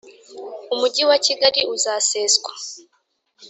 Umujyi wa Kigali uzaseswa